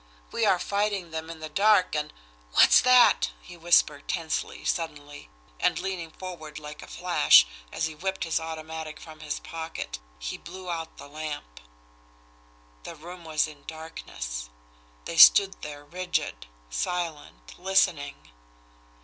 We are fighting them in the dark, and WHAT'S THAT!" he whispered tensely, suddenly and leaning forward like a flash, as he whipped his automatic from his pocket, he blew out the lamp. The room was in darkness. They stood there rigid, silent, listening.